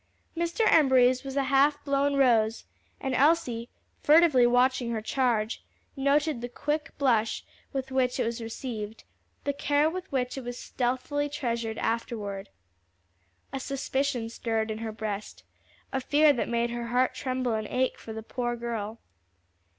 Mr. Embury's was a half blown rose, and Elsie, furtively watching her charge, noted the quick blush with which it was received, the care with which it was stealthily treasured afterward. A suspicion stirred in her breast, a fear that made her heart tremble and ache for the poor girl.